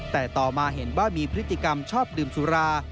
แต่ต่อมาเห็นว่ามีพฤติกรรมชอบดื่มสุรา